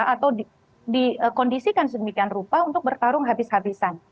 atau dikondisikan sedemikian rupa untuk bertarung habis habisan